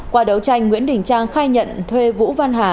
qua đấu tranh nguyễn đình trang khai nhận thuê vũ văn hà